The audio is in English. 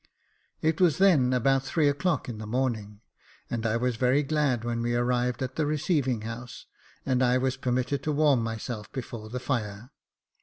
It was then about three o'clock in the morning, and I was very glad when we arrived at the receiving house, and I was permitted to warm myself before the fire.